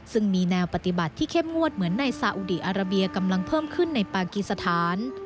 ซึ่งมีแนวปฏิบัติที่เข้มงวดเหมือนในซาอุดีอาราเบียกำลังเพิ่มขึ้นในปากีสถาน